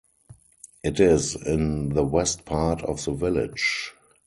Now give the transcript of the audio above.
It is in the west part of the village.